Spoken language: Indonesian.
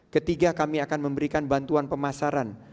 ketiga kami akan memberikan bantuan pemasaran